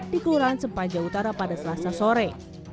di kelurahan sepanja utara pada selasa sore